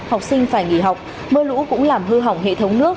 học sinh phải nghỉ học mưa lũ cũng làm hư hỏng hệ thống nước